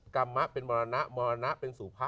กรรมะเป็นมรณะมรณะเป็นสู่พระ